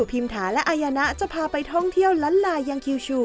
พิมพ์ฐาและอาญานะจะพาไปท่องเที่ยวลันลายอย่างคิวชู